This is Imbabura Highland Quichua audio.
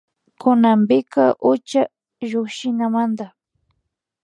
Kunanpika ucha llukshinamanda